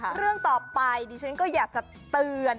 เรื่องต่อไปดิฉันก็อยากจะเตือน